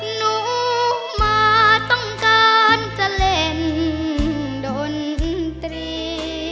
หนูมาต้องการจะเล่นดนตรี